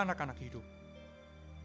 bisa memiliki tempat untuk bermain